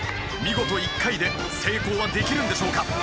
見事１回で成功はできるんでしょうか？